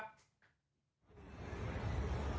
คุณผู้ชม